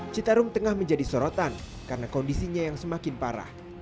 citarum tengah menjadi sorotan karena kondisinya yang semakin parah